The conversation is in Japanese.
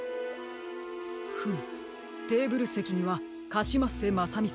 フムテーブルせきにはカシマッセまさみさん